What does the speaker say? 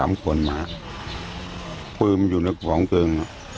มึงมึงอยู่ในแกน